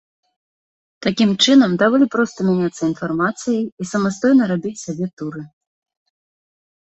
Такім чынам даволі проста мяняцца інфармацыяй і самастойна рабіць сабе туры.